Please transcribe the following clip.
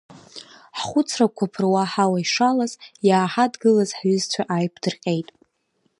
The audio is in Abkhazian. Ҳхәыцрақәа ԥыруа аҳауа ишалаз, иааҳадгылаз ҳҩызцәа иааиԥдырҟьеит.